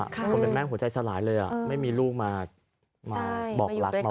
คนเป็นแม่หัวใจสลายเลยไม่มีลูกมาบอกรักมา